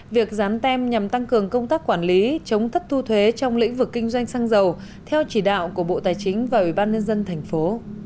việc dán tem nhằm tăng cường công tác quản lý chống thất thu thuế trong lĩnh vực kinh doanh xăng dầu theo chỉ đạo của bộ tài chính và ủy ban nhân dân thành phố